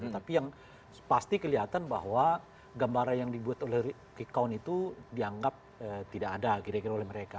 tapi yang pasti kelihatan bahwa gambaran yang dibuat oleh quick count itu dianggap tidak ada kira kira oleh mereka